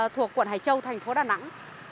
thuộc quận hải châu thành phố đà nẵng